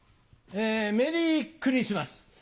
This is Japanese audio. メリークリスマス！